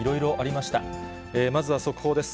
まずは速報です。